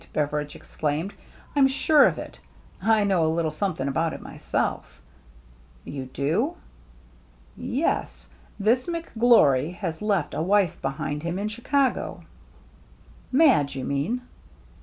" Beveridge exclaimed. " I'm sure of it. I know a little some thing about it myself." "You do?" " Yes. This McGlory has left a wife behind him in Chicago." " Madge, you mean